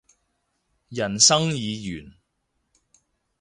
人生已完